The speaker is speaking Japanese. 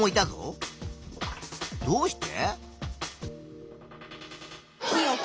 どうして？